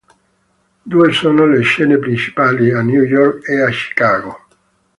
Due sono le scene principali: a New York e a Chicago.